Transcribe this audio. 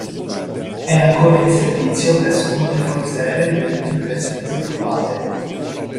È ancora in servizio presso molte forze aeree nelle ultime versioni sviluppate.